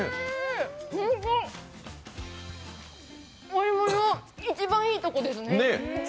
お芋の一番いいとこですね。